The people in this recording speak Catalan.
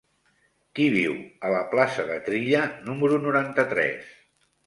Qui viu a la plaça de Trilla número noranta-tres?